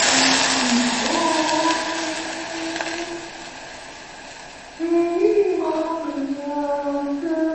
亚利桑那红雀是一支位于亚利桑那州凤凰城近郊格兰岱尔的职业美式足球球队。